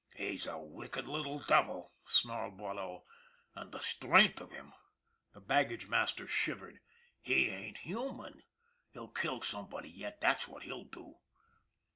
" He's a wicked little devil," snarled Boileau. " And the strength of him " the baggage master shivered " he ain't human. He'll kill somebody yet, that's what he'll do